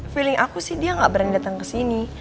feeling aku sih dia gak berani datang kesini